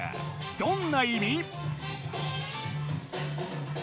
どんな意味？